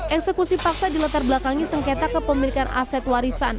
eksekusi paksa di latar belakangi sengketa kepemilikan aset warisan